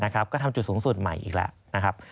ก็ทำจุดสูงสุดใหม่อีกแล้ว